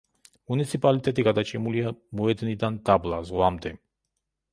მუნიციპალიტეტი გადაჭიმულია მოედნიდან დაბლა, ზღვამდე.